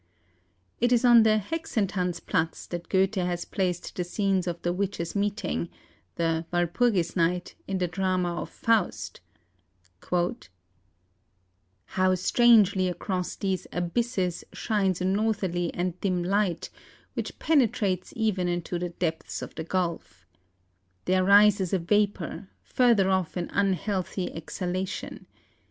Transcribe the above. It is on the Hexentanzplatz that Goethe has placed the scenes of the witches' meeting (the Wal purgis night) in the drama of Faust— '' How strangely across these abysses shines a northerly and dim light, which penetrates even into the depths of the gulf! There rises a vapour ; further off an unhealthy exhalation.